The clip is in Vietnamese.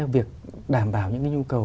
việc đảm bảo những nhu cầu